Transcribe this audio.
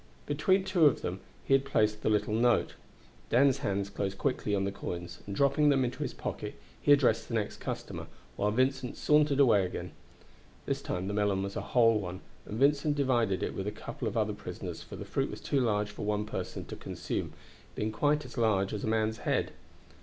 Between two of them he had placed the little note. Dan's hands closed quickly on the coins, and dropping them into his pocket he addressed the next customer, while Vincent sauntered away again. This time the melon was a whole one, and Vincent divided it with a couple of other prisoners for the fruit was too large for one person to consume, being quite as large as a man's head.